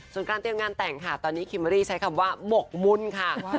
ส่วนการเตรียมงานแต่งค่ะตอนนี้คิมเมอรี่ใช้คำว่าหมกมุ่นค่ะ